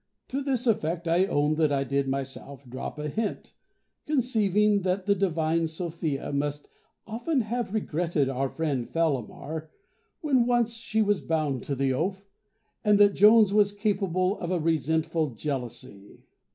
To this effect I own that I did myself drop a hint; conceiving that the divine Sophia must often have regretted our friend Fellamar when once she was bound to the oaf, and that Jones was capable of a resentful jealousy.